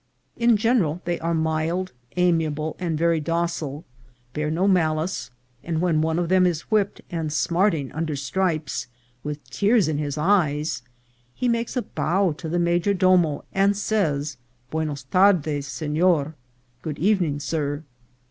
In general they are mild, amiable, and very docile ; bear no malice ; and when one of them is whipped and smarting under stripes, with tears in his eyes he makes a bow to the major domo, and says "buenos tarde, serior;" "good evening, sir."